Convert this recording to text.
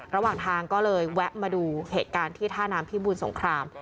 ระหว่างทางก็เลยแวะมาดูเหตุการณ์ที่ท่าน้ำพิบูรสงคราม